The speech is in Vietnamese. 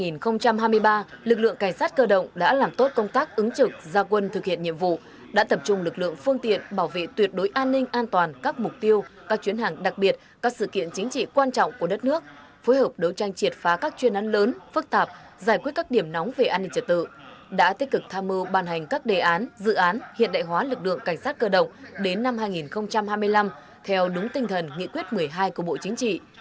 năm hai nghìn hai mươi ba lực lượng cảnh sát cơ động đã làm tốt công tác ứng trực gia quân thực hiện nhiệm vụ đã tập trung lực lượng phương tiện bảo vệ tuyệt đối an ninh an toàn các mục tiêu các chuyến hàng đặc biệt các sự kiện chính trị quan trọng của đất nước phối hợp đấu tranh triệt phá các chuyên án lớn phức tạp giải quyết các điểm nóng về an ninh trật tự đã tích cực tham ưu bàn hành các đề án dự án hiện đại hóa lực lượng cảnh sát cơ động đến năm hai nghìn hai mươi năm theo đúng tinh thần nghị quyết một mươi hai của bộ chính trị